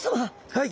はい。